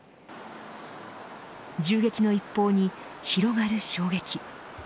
銃撃の一報に広がる衝撃。